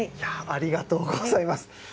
ありがとうございます。